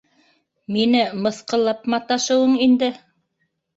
Мине мыҫҡыллап маташыуың инде!